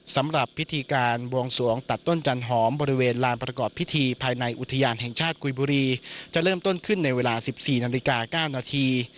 สำหรับพิธีการบวงสวงตัดต้นจันหอมบริเวณลานประกอบพิธีภายในอุทยานแห่งชาติกุยบุรีจะเริ่มต้นขึ้นในเวลา๑๔นาฬิกา๙นาที